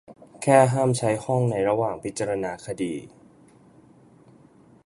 แค่ห้ามใช้ในห้องระหว่างพิจารณาคดี